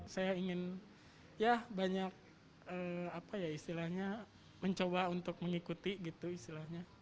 saya ingin ya banyak apa ya istilahnya mencoba untuk mengikuti gitu istilahnya